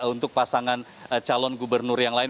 untuk pasangan calon gubernur yang lain